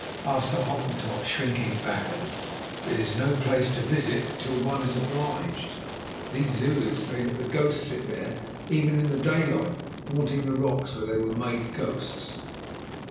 asked the Hottentot, shrinking back a little. "It is no place to visit till one is obliged. These Zulus say that ghosts sit there even in the daylight, haunting the rocks where they were made ghosts."